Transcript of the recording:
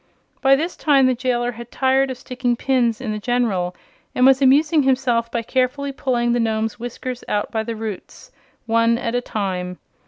By this time the jailer had tired of sticking pins in the General, and was amusing himself by carefully pulling the Nome's whiskers out by the roots, one at a time.